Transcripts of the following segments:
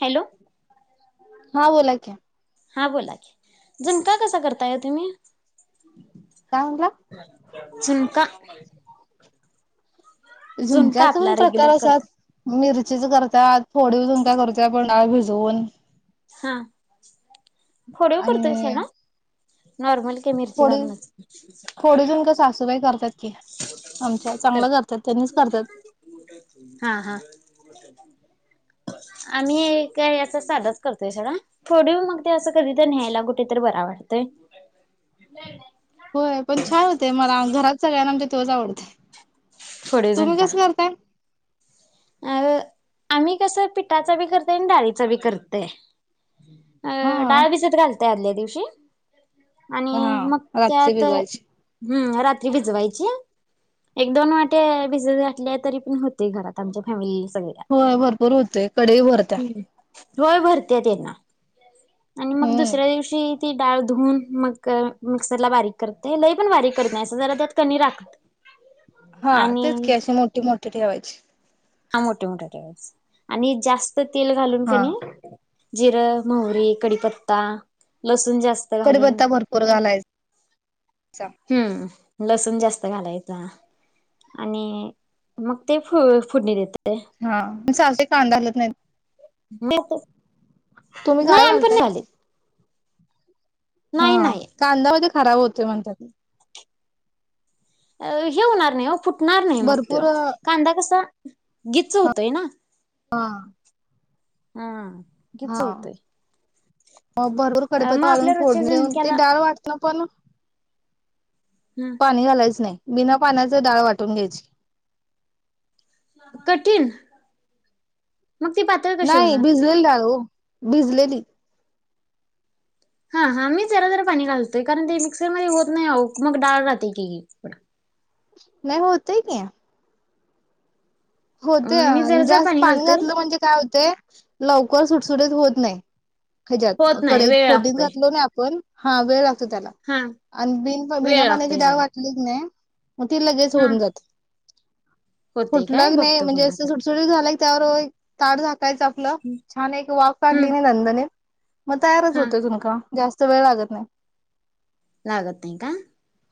Hello! हा बोला कि. हा बोला कि झुनका कसा करताय तुम्ही. काय म्हंटला? झूनका. झुमक्याच पण प्रकार रेग्युलर असतात करतो मिर. च करत थोडी उजून काय करत पंडळ भिजवून हा फोडिव करतोय सा आणि ना नॉर्मल. क मिर्ची फोडी खालून. फोडीव झुणका सासूबाई करतात आमच्या चांगलं झाथात हा हा. आम्ही काय अस सधत. करतोय सोडा थोड मग ते अस कधी तर न्यायला कुठे तर बरा वाटतय. होय पण छान होते मला घरात सगळय ना आमच्या तेव्हाच आवडत. फोडीव तुम्ही झुणका कसं करताय? अ आम्ही कस पिठाचा बी करतेय आणि डाळीचा बी करतेय. अ हा डाळ बिजत घालतय आदल्या दिवशी हा आणि मग रातची त्यात भिजवायची हम्म रात्री विजवायची. एक दोन वाटे भिजतले तरी पण होते घरात आमच्या फॅमिली. सगळ्या. होय भरपूर होतेय कडेई भरत्या. हम्म. होय भरत्या ना आणि मग हम्म दुसऱ्या दिवशी ती डाळ धुून मग मिक्सरला बारीक करते लई पण बारीक करत नाही असं जरा त्यात कणी राखत. हा तेच आणि की अशी मोठीे मोठीे ठेवायची. हा मोठे मोठे टळेस आणि जास्त तेल घालून हा कणी. जिरं मोहरी कडीपत्ता लस. जास्त घालून कडीपत्ता भरपूर घालायचा हम्म. लसूण जास्त घालायच आणि मग ते फ फुडणी देतात. हा सासूबाई कांदा घालत नाही. म तुम्ही काय नाही आम्ही पण घालताय? नाही घालत. हा कांदामध्ये खराब होते म्हणतात. अ हे होणार नाही हो फुटणार नाही मग तो भरपूर कांदा कसा गीच होतोय ना‌. हा. हा गिच होतंय. म भरपूर कडिपत्ता घालून रोजच्या फोडूनी देऊन ते झणक्याला डाळ वाटन पण. पाणी घालायचं नाही बिना पाण्याचे डाळ वाटून घ्यायची. कठीण. मग ती पातळ कशी नाही होणार भिजलेली डाळ ओ भिजलेली. हा हा मी जरा जरा पाणी घालतोय कारण ते मिक्सर मध्ये होत नाही मग डाळ राहते की. नाही होतय की. होते मी जरा जरा जास्त पाणी घालतोय घातलं म्हणजे काय होते. लवकर सुटसुटीत होत नाही हेच्यात होत नाही कडईत वेळ फोडनी लागतोय घातलो ना आपण हा वेळ लागतो त्याला हा आणि बिन बिना वेळ पाण्याची लागतोय डाग जरा वाटली की नाही. मग ते लगेच होऊन जाते. होतेय. लग नाही म्हणजे अस सुटसुटीत झाल. त्यावर ताट झाकायचं आपलं छान एक वाफ काढली हम्म कि नाही दणदणीत. मग तयारच हा होतोय झुणका जास्त वेळ लागत नाही. लागत नाही का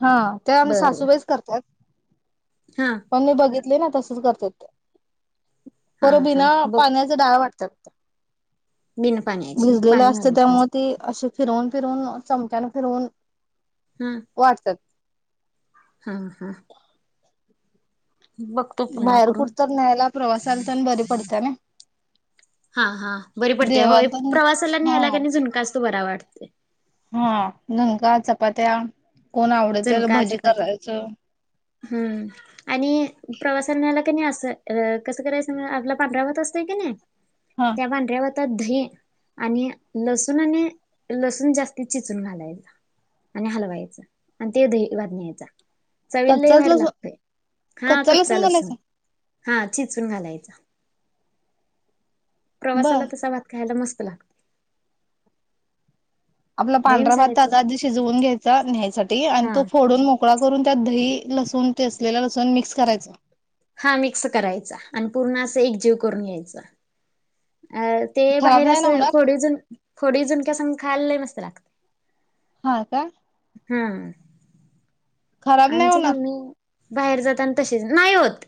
हा त्या आमच्या बर बर सासूबाईच करतात. हा पण मी बघितले ना तसच करते ते. हा पर हा बिना बघ पाण्याचा डाळ वाटत्यात. बिन पाण्याची भिजलेलं पाणी असत घालत नसत त्यामुळे ती अशी फिरवून फिरून चमच्यान फिरवून हम्म वाटत्यात. हा हा. बघतो पुन्हा बाहेर करून कुठ तरी न्यायला प्रवासाला तेन बरी पडत्या नई हा हा बरी पडते होय प्रवासाला हा न्हायला क नाही झुणका तो बरा वाटते. हा झुणका चपात्या कोण आवडतील झुणका भजी चपाती करायचं. हम्म आणि प्रवासा न्यायला. अस कस करायच आपला पांढरा भात असतोय कि नाही हा त्या पांढऱ्या भातात आ दही आणि लसूण आणि लसूण जास्त चिचून घालायच. आणि हलवायचं आणि ते दही भात न्यायचा. चविला लय कच्चाच भारी लसूण लागतोय हा कच्चा काच्चा लसूण. घालायचा हा चिचून घालायचा प्रवासाला बर तसा भात खायला मस्त. लागतय. आपला पांढरा भाता आधी शिजवून घ्यायचा न्यायसाठी आणि हा तो फोडून मोकळा करून. त्यात दही लसूण ते असलेलं लसूण मिक्स करायचं. हा मिक्स करायचा आणि पूर्ण असं एकजीव करून यायचं. अ ते खराब बाहेर नाही ना असं होणार फोडीव फोडीव झुणक्या सोबत खायला लय मस्त लागतय. हा काय. हम्म नाही आमची होणार मम्मी बाहेर जात आणि तसेच नाही होत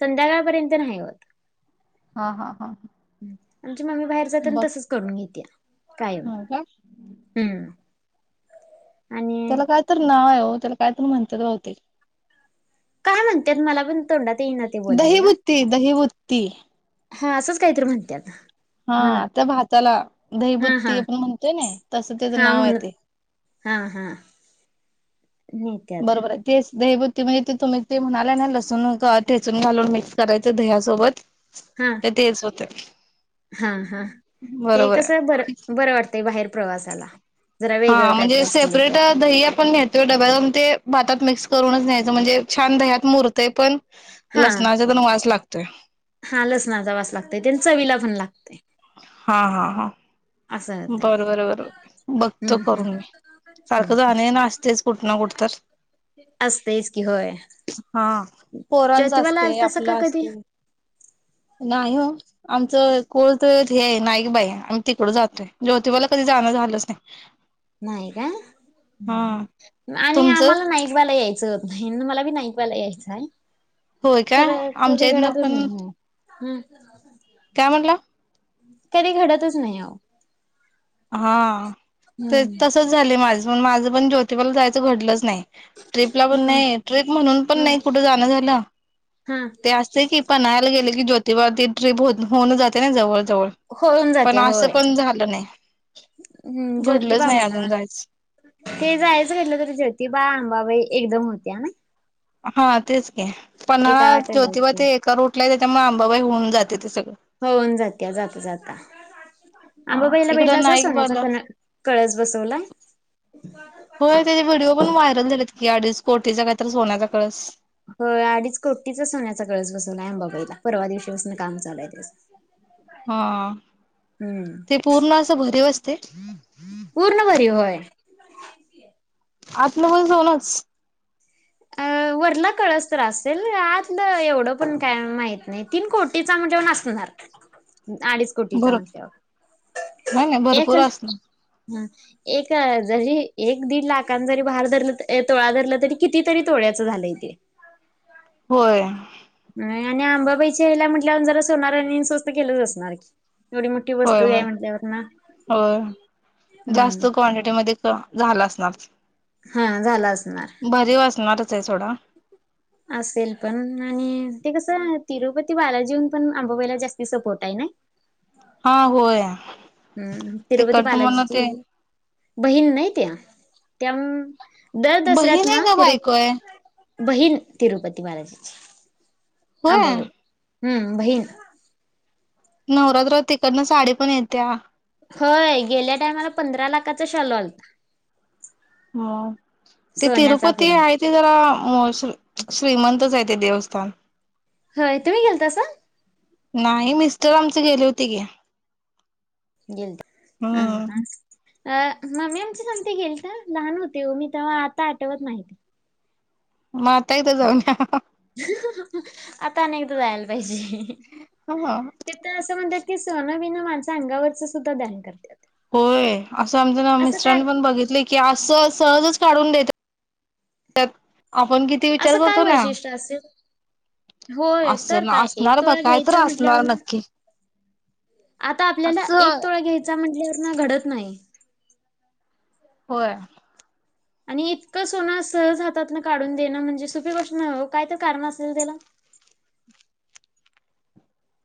संध्याकाळपर्यंत नाही होत. हा हा हा ह. हं, आमची मम्मी बाहेर जाते आणि तसच करून घेते. होय का. आणि त्याला काय तर नाव आहे हो त्याला काय तर म्हणत्यात बहुतेक. काय म्हणत्यात मला पण तोंडात. येईना ते बोलायला. दहीबुत्ती, दहीबुत्ती हा असंच काहीतरी म्हणत्यात. हा म्हण त्या भाताला हा हा दहीभुत्ती आपण म्हणतोय नाही तसं त्याच हा नाव आहे म्हणत ते. [inaudible] हा, हा. नेत्यात बरोबर आहे. तेच दहीभुती म्हणजे ते तुम्ही ते म्हणाले ना लसूण ठेचून घालून मिक्स करायच दह्यासोबत. हा ते तेच होते. हा, हा. ते आहे. कसं बर बरं वाटतंय बाहेर प्रवासाला. जरा हा वेगळं काहीतरी म्हणजे असलं सेपरेट तर दही आपण नेतोय डब्यात आणि ते ते भातात मिक्स करूनच न्यायचं म्हणजे छान दह्यात मुरतंय पण, हा लसणाचा पण वास लाग हा लसणाचा वास लागतंय त्यांन चवीला पण लागतंय. हा, हा, हा असं होतय बरोबर बरोबर. बघतो हम्म हम्म करून मी. सारखं हम्म जाणं येणं असतेच कुठ ना कुठ तर. असतयच की होय. हा पोरांच ज्योतिबाला असतंय, आलतासा का आपलं कधी असतंय. नाही हो. आमचं कोळ तर हे आहे नाईकबा हाय आम्ही तिकड जातोय. ज्योतिबाला कधी जाणं झालंच [inaudible] नाही काय? हं हा हं. आणि तुमचं आम्हाला नाईकबाला याय च होत नाही. आणि मला बी नाईकबाला यायचं आहे. होय काय खर आमच्या कधी इथनं घडतच पण नाही. हम्म. काय म्हणला? कधी घडतच नाही अहो. हा ते हम्म तसच झालं माझ पण. माझं पण ज्योतिबाला जायचं घडलंच नाही. ट्रिपला पण हम्म नाही, ट्रिप म्हणून पण हम्म नाही कुठं जाणं झालं. हा ते असतंय की पन्हाळ्याला गेले की ज्योतिबा ती ट्रीप होऊन जाते ना जवळ जवळ होऊन पण जात्या असं होय पण झालं नाही. हम्म, घडलंच ज्योतिबा नाही अजून म्हणा जायचं ते जायचं घडलं तरी जोतिबा, अंबाबाई एकदम होत्या नई‌. हा तेच की पन्हाळा, एका वाटेला ज्योतिबा होती. ते एका रूठला हाय त्याच्यामुळे आंबाबाई होऊन जाते ते सग होऊन जाते जाता, जाता. हा आंबाबाईला इकडं बघितलासा नाईकबाला सोन्याचा कळस बसवलाय? होय त्याचे व्हिडिओ पण व्हायरल झालेत की, अडीच कोटीचा काय तर सोन्याचा कळस होय अडीच कोटीचा सोन्याचा कळस बसवलाय अंबाबाईला. परवा दिवशीपासनं काम चालूय त्याचं. हा हम्म ते पूर्ण असं भरीव अस पूर्ण भरीव होय. आत मधुन सोनंच? अ [inaudible] वरला कळस तर असेल आतलं एवढं पण काय माहित नाही. तीन कोटीचा म्हणजे असणार. [inaudible] अडीच कोटीचा भर म्हटल्यावर. नाही नाही एक भरपूर असणार हं. एक जरी एक दीड लाखांन जरी भार धरलं तोळा धरलं तरी किती तरी तोळ्याच झालंय ते. होय. आणि आंबाबाईच्या हेला म्हटल्यावर जरा सोनारांनी स्वस्त केलंच असणार की. एवढी मोठी होय, वस्तू आहे मग म्हटल्यावर ना होय हम्म जास्त क्वांटिटीमध्ये झालं असणार ते. हा झाला असणार. असणारच सोडा. असेल पण आणि ते कसं तिरुपती बालाजीनं पण अंबाबाईला जास्ती सपोर्ट आहे ना. हा होय. हम्म. तिरुपती तिकडन म्हण बालाजीची ते बहीण नाही त्या. त्या दर दसऱ्यात बहीण आहे ना का तिरु बायको आहे बहीन तिरुपती बालाजीची. होय. आंबाबाई हम्म बहीण. नवरात्र तिकडनं साडी पण येत्या. होय. गेल्या टायमाला पंधरा लाखाचा शालू आलता. हो. ते सोन्याचा तिरुपती पूर्ण. आहे ते जरा श्रीमंतच आहेत. ते देवस्थान. होय. तुम्ही गेलतासा? नाही. मिस्टर आमचे गेले होते कि. ग हम हम. अ मम्मी आमची सगती गेलत, लहान होते मी तेव्हा आता आठवत नाही. म आता एकदा जाऊन या. आता अनेकदा जायला पाहिजे. या तथ असं म्हणजे ते सोन बिन माणसं अंगावरच सुद्धा दान करत्यात. होय. असं आमच्या मिस्टरांनी पण बघितलंय की असं सहजच काढून देत्यात. आपण किती विचार असं काय करतो ना. वैशिष्ट्य असेल? होय असे तर ना काय एक असणार बा. तोळा काय तर घ्यायचा म्हटल्यावर असणार ना नक्की. आता आपल्याला एक असं तोळा घ्यायचा म्हटल्यावर ना घडत नाही. होय. आणि इतकं सोनं सहज हातात ना काढून देणं म्हणजे सोपी गोष्ट न काय तर कारण असेल त्याला. ह्.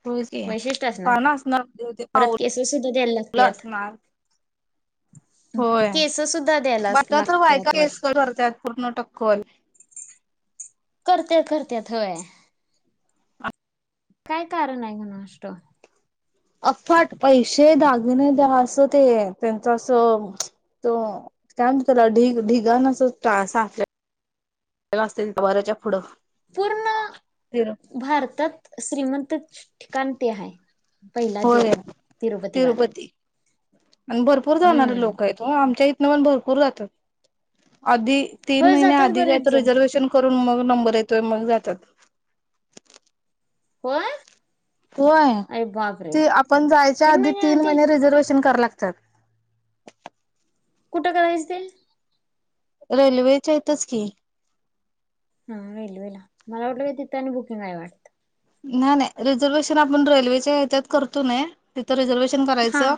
हो की वैशिष्ट्य काय पावणार असणार परत केसेस सुद्धा द्यायला पावलं लागत्यात. असणार. होय. केस सुद्धा द्यायला बायका तर बायका लागत्यात केस कट वाटतं. करत्यात. पूर्ण टक्कल. ह करत्यात. करत्यात. होय. काय कारण हाय कुणाष्टो. अफाट पैसे दागिने द्या. असं ते त्यांचं असं त कायम त्याला ढिग ढिगाणच साठलयं. [unintelligible] अस वऱ्याच्या पुढं पूर्ण भारतात श्रीमंत ठिकाण ते हाय. पहिला देव होय तिरुपती तिरुपतीबालांजी. आणि भरपूर जाणारे लोक हाईत ओ आमच्या इथन पण भरपूर जात्यात. आधी तीन होय महिने जातात आधी काय बरेच तर जण. रिझर्वेशन करू- - न मग नंबर येतोय. मग जात्यात. होय. होय. अरे बापरे ते आपण जायच्या आधी तीन महिने रिझर्वेशन कराय लागत्यात. कुठं करायचं ते? रेल्वेच्या हितच की. हा रेल्वेला मला वाटलं तिथं आणि बुकिंग काय वाटतं. नाही नाही. रिझर्वेशन आपण रेल्वेच्या हेच्यात करतो कनी तिथं. रिझर्वेशन हा करायचं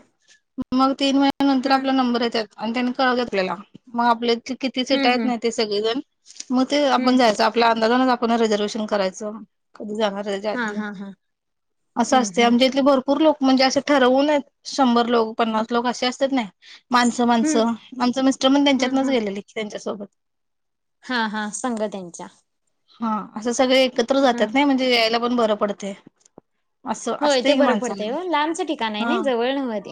मग तीन महिन्यानंतर हम्म आपला नंबर येत्यात. आणि त्यांनी कळवत्यातआपल्याला मग आपल्या किती सीट आहेत हम्म हम्म ना ते सगळेजण मग ते हम्म आपण जायचं. आपल्या अंदाजानच आप रिझर्वेहेशन करायचं कधी जाणार. हा हा हा अस हम्म अस हम्म आम इथ भरपूर लोक म्हणजे अस ठरवून शंभर - लोक, हम्म पन्नास लोक असे असतात नई. माणसं हम्म माणसं आमचं मिस्टर मण हा त्यांच्यातनच हा गेलेली त्यांच्यासोबत. हा हा सांग त्यांच्या हा असं सगळे एकत्र हा जातात नाही म्हणजे यायला पण बरं पडते असं होय असते ते की बरं पडतं माणसांना आहे लांबचं ठिकाण आहे हा ना जवळ नवत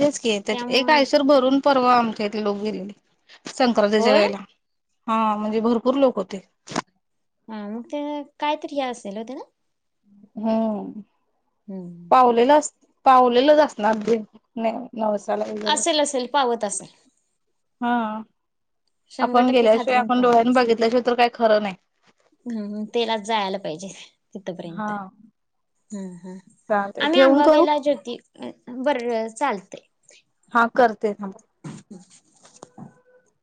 तेच की त्या एक आयसर भरून पर्व आमच्या इथे लोक गेलेले संक्रांतीच्या होय वेळेला हा म्हणजे भरपूर लोक होते काय तरी हे असेल हो त्या ना हम्म हम्म पावलेलं पावलेलंच असणार अगदी नाही नऊसाला वगडे असेल असेल पावत असेल हा शंभर आपण टक्के गेल्याशिवाय खात्रीन आपण डोळ्यानी बघितल्याशिवाय तर काही खरं नाही हम् तेला जायला पाहिजे तिथपर्यंत हा हम्म हम चालते आम्ही ठेवून करू आंबाबाईला ज्योति बर चालतेय हा करते थांब ह